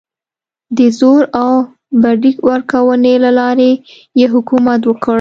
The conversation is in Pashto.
د زور او بډې ورکونې له لارې یې حکومت وکړ.